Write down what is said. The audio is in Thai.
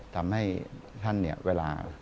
ทำให้ท่านเนี่ยเวลา